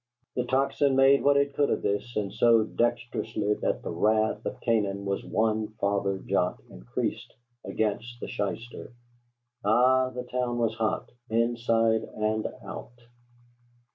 The Tocsin made what it could of this, and so dexterously that the wrath of Canaan was one farther jot increased against the shyster. Ay, the town was hot, inside and out.